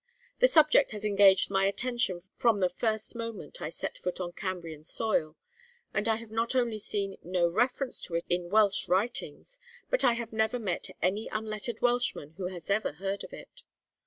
The subject has engaged my attention from the first moment I set foot on Cambrian soil, and I have not only seen no reference to it in Welsh writings, but I have never met any unlettered Welshman who had ever heard of it.